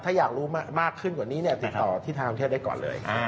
ถ้าอยากรู้มากขึ้นกว่านี้เนี่ยติดต่อที่ทางกรุงเทพได้ก่อนเลย